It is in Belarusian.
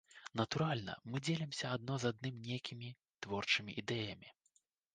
Натуральна, мы дзелімся адно з адным нейкімі творчымі ідэямі.